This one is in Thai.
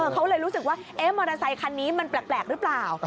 เขาเลยรู้สึกว่ามอเตอร์ไซคันนี้มันแปลกหรือเปล่า